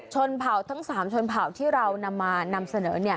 ชนเผ่าทั้ง๓ชนเผ่าที่เรานำมานำเสนอ